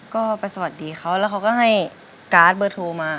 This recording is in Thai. ก็ไปสวัสดีเขาแล้วเขาก็ให้การ์ดเบอร์โทรมา